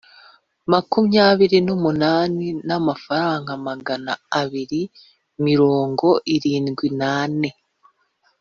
makumyabiri n umunani n amafaranga magana abiri mirongo irindwi n ane